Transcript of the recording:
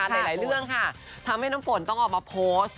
ทำให้น้องน้ำฝนต้องออกมาโพสต์